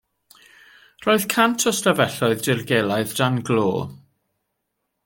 Roedd cant o stafelloedd dirgelaidd dan glo.